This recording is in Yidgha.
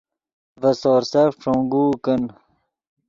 ڤے سورسف ݯونگوؤ کن